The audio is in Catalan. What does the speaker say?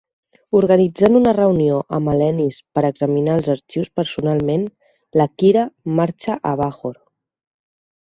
Organitzant una reunió amb Alenis per examinar els arxius personalment, la Kira marxa a Bajor.